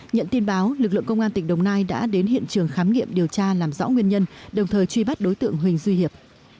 nhận tin báo lực lượng công an tỉnh đồng nai đã đến hiện trường khám nghiệm điều tra làm rõ nguyên nhân đồng thời truy bắt đối tượng huỳnh duy hiệp